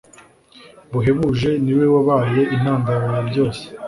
buhebuje niwe wabaye intandaro yabyose